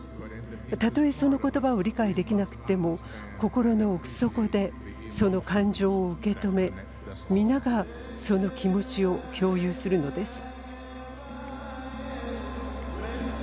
たとえその言葉を理解できなくても心の奥底で、その感情を受け止め皆がその気持ちを共有するのです。